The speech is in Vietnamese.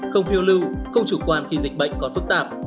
không viêu lưu không chủ quan khi dịch bệnh còn phức tạp